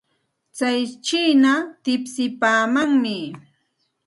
Tsay chiina tipsipaamanmi.